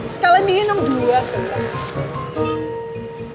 sekalian minum dulu ya